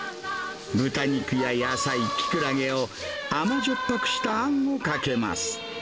豚肉や野菜、きくらげを甘じょっぱくしたあんをかけます。